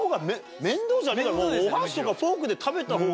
じゃねえかなお箸とかフォークで食べた方が。